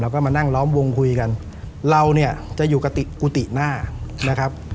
แล้วก็มานั่งล้อมวงคุยกันเราเนี่ยจะอยู่กับกุฏิหน้านะครับ